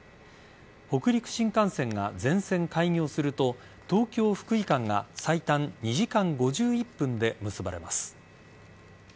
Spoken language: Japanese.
北陸新幹線が全線開業すると東京福井間が最短２時間５１分で結ばれます。